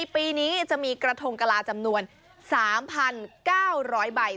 ปีนี้จะมีกระทงกะลาจำนวน๓๙๐๐ใบ